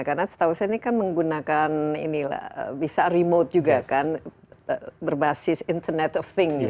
karena setahu saya ini kan menggunakan ini bisa remote juga kan berbasis internet of things